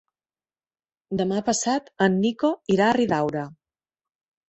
Demà passat en Nico irà a Riudaura.